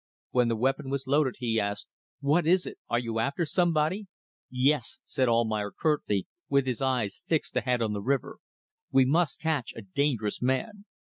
When the weapon was loaded he asked "What is it? Are you after somebody?" "Yes," said Almayer, curtly, with his eyes fixed ahead on the river. "We must catch a dangerous man."